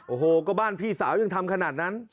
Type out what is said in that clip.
โอ้โหก็บ้านพี่สาวยังทำขนาดนั้น